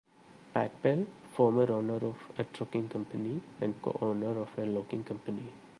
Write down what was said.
Pat Bell, former owner of a trucking company and co-owner of a logging company.